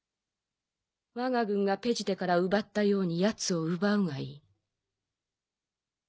わが軍がペジテから奪ったようにヤツを奪うがいい。